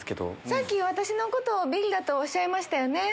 さっき私のことをビリだとおっしゃいましたよね。